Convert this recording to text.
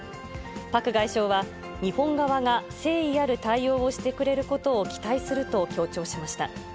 パク外相は、日本側が誠意ある対応をしてくれることを期待すると強調しました。